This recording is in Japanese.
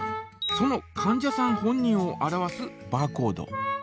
そのかん者さん本人を表すバーコード。